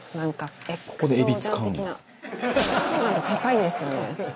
ＸＯ醤高いんですよね。